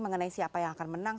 mengenai siapa yang akan menang